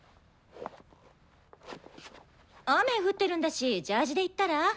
雨降ってるんだしジャージで行ったら？